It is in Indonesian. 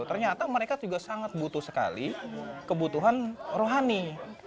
ternyata mereka juga sangat butuh sekali kebutuhan rohani